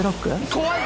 怖い！